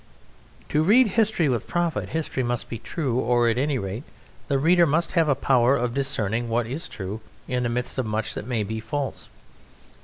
To read history with profit, history must be true, or at any rate the reader must have a power of discerning what is true in the midst of much that may be false.